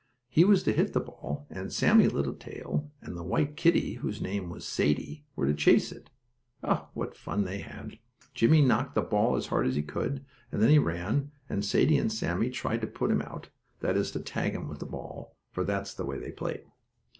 He was to hit the ball and Sammie Littletail and the white kittie, whose name was Sadie, were to chase it. Oh, what fun they had! Jimmie knocked the ball as hard as he could, and then he ran, and Sadie and Sammie tried to put him out, that is to tag him with the ball, for that's the way they played.